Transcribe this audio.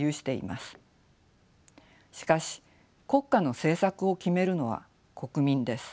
しかし国家の政策を決めるのは国民です。